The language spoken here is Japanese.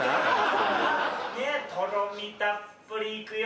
とろみたっぷり行くよ。